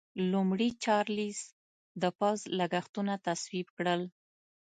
لومړي چارلېز د پوځ لګښتونه تصویب کړل.